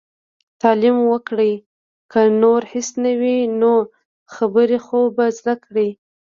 تعليم وکړئ! که نور هيڅ نه وي نو، خبرې خو به زده کړي.